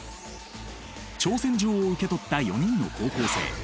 挑戦状を受け取った４人の高校生。